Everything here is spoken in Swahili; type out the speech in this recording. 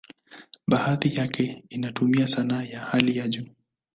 Baadhi yake inatumia sanaa ya hali ya juu.